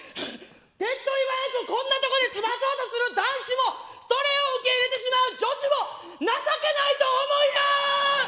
手っ取り早くこんなところで済まそうとする男子もそれを受け入れてしまう女子も情けないと思いや！